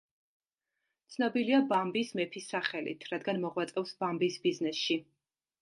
ცნობილია „ბამბის მეფის“ სახელით, რადგან მოღვაწეობს ბამბის ბიზნესში.